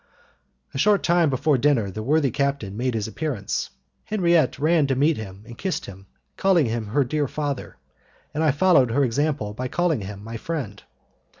A short time before dinner the worthy captain made his appearance. Henriette ran to meet him and kissed him, calling him her dear father, and I followed her example by calling him my friend.